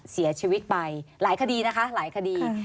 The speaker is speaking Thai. เสียชีวิตไปหลายคดีนะคะหลายคดี